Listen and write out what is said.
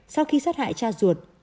sau khi sát hại cha ruột